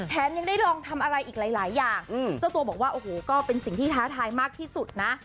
ยังได้ลองทำอะไรอีกหลายอย่างเจ้าตัวบอกว่าโอ้โหก็เป็นสิ่งที่ท้าทายมากที่สุดนะ